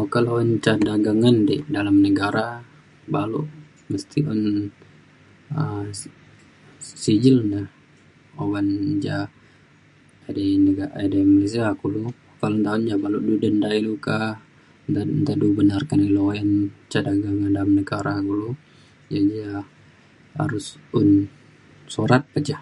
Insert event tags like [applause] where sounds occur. okak le un ca dageng ngan di dalem negara balok mesti un um s- sijil na uban ja edei [unintelligible] kulu nta un da [unintelligible] ilu ka nta du benarkan du uyan ca dageng dalem negara kulu ya ja harus un surat pe ja